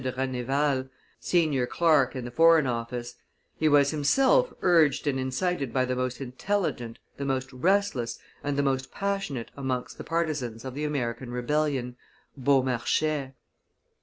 de Rayneval, senior clerk in the foreign office; he was himself urged and incited by the most intelligent, the most restless, and the most passionate amongst the partisans of the American rebellion Beaumarchais.